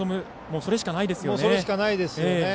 それしかないですよね。